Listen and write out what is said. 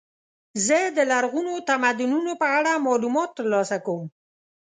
زه د لرغونو تمدنونو په اړه معلومات ترلاسه کوم.